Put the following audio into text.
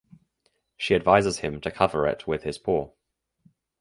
She advises him to cover it with his paw.